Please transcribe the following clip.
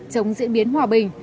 chống diễn biến hòa bình